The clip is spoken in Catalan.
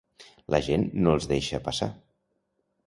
La gent no els deixa passar.